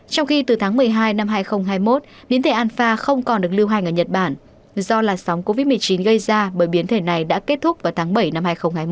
trong khi từ tháng một mươi hai năm hai nghìn hai mươi một biến thể anfa không còn được lưu hành ở nhật bản do làn sóng covid một mươi chín gây ra bởi biến thể này đã kết thúc vào tháng bảy năm hai nghìn hai mươi